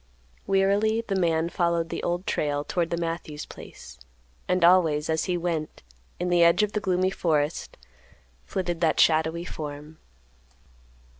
Wearily the man followed the Old Trail toward the Matthews place, and always, as he went, in the edge of the gloomy forest, flitted that shadowy form.